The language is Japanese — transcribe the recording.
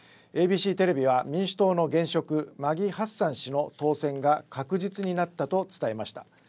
ＡＢＣテレビは民主党の現職、マギー・ハッサン氏の当選が確実になったと伝えました。